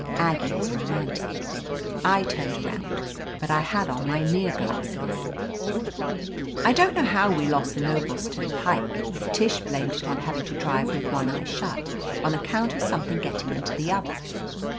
Aggie is ro mantic. I turned around, but I had on my near glasses. ^I don't know how we lost the Noblestown Pike. Tish blamed it on having to drive with one eye shut, on account of something getting into the other.